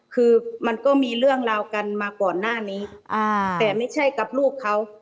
คือมันก็มีเรื่องราวกันมาก่อนหน้านี้แต่ไม่ใช่กับลูกเขา